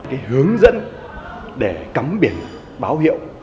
cái hướng dẫn để cắm biển báo hiệu